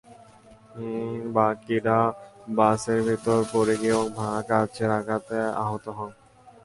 বাকিরা বাসের ভেতরে পড়ে গিয়ে এবং ভাঙা কাচের আঘাতে আহত হন।